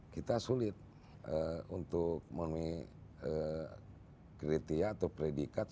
kita sulit untuk memiliki kritia atau predikat